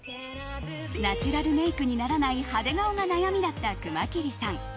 ナチュラルメイクにならない派手顔が悩みだった熊切さん。